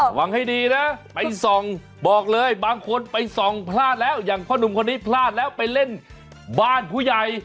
หวังให้ดีนะไปส่องบอกเลยบางคนไปส่องพลาดแล้วอย่างพ่อนุ่มคนนี้พลาดแล้วไปเล่นบ้านผู้ใหญ่